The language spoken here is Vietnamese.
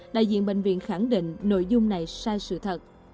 đại diện bệnh viện khẳng định nội dung này sai sự thật